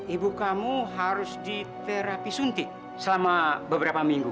ibu kamu harus diterapi suntik selama beberapa minggu